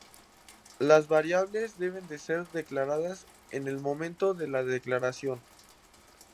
Las variables deben ser declaradas en el momento de declaración.